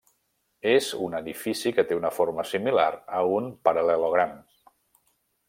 És un edifici que té una forma similar a un paral·lelogram.